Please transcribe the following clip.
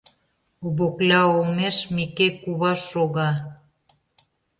Обокля олмеш Микей кува шога.